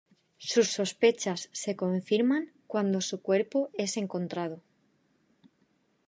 Sus sospechas se confirman cuando su cuerpo es encontrado.